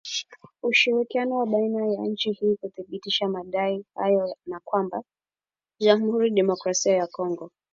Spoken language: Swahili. Ushirikiano wa baina ya nchi ili kuthibitisha madai hayo na kwamba Jamuhuri ya Kidemokrasia ya Kongo